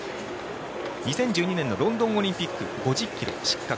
２０１２年のロンドンオリンピック５０ｋｍ、失格。